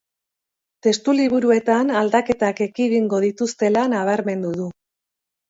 Testu liburuetan aldaketak ekidingo dituztela nabarmendu du.